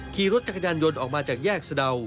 ขี่รถจักรยานยนต์ออกมาจากแยกสะดาว